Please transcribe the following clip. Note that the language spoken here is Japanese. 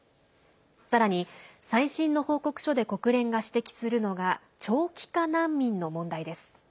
さらに、最新の報告書で国連が指摘するのが長期化難民の問題です。